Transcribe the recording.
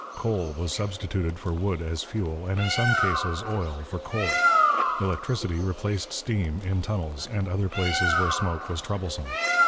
Coal was substituted for wood as fuel, and in some cases oil for coal. Electricity replaced steam in tunnels and other places where smoke was troublesome.